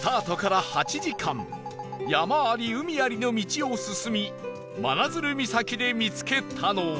山あり海ありの道を進み真鶴岬で見つけたのは